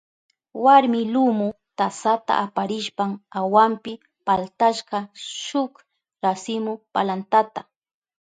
Warmi lumu tasata aparishpan awanpi paltashka shuk rasimu palantata.